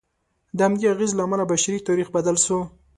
د همدې اغېز له امله بشري تاریخ بدل شو.